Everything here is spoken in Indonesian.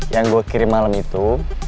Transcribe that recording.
yang gue kirim malam itu